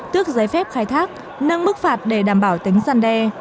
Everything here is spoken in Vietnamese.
tước giấy phép khai thác nâng mức phạt để đảm bảo tính gian đe